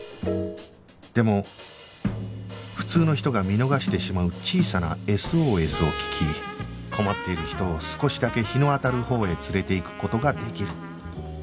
でも普通の人が見逃してしまう小さな ＳＯＳ を聞き困っている人を少しだけ日の当たるほうへ連れていく事ができる